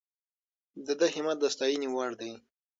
د ده همت د ستاینې وړ دی.